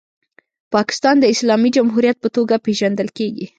پاکستان د اسلامي جمهوریت په توګه پیژندل کیږي.